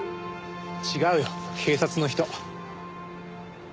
違うよ警察の人。